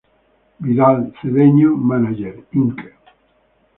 Vidal Cedeño Manager, Inc.